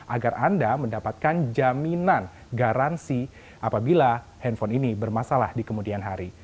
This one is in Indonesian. agar anda mendapatkan jaminan garansi apabila handphone ini bermasalah di kemudian hari